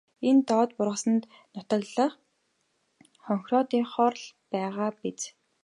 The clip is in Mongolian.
Энэ доод бургасанд нутаглах хонхироодынхоор л байгаа биз.